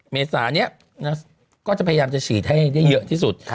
เมษานี้ก็จะพยายามจะฉีดให้ได้เยอะที่สุด